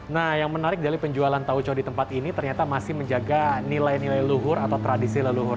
nah yang menarik dari penjualan tauco di tempat ini ternyata masih menjaga nilai nilai luhur atau tradisi leluhur